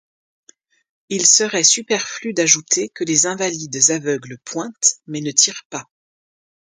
Il serait superflu d’ajouter que les invalides aveugles pointent, mais ne tirent pas.